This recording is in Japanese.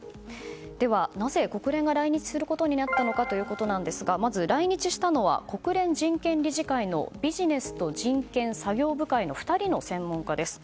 では、なぜ国連が来日することになったのかなんですがまず来日したのは国連人権理事会のビジネスと人権作業部会の２人の専門家です。